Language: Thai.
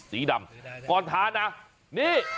สีดำก่อนทานนะนี่